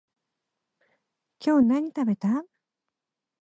今日何食べた？